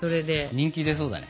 人気出そうだね。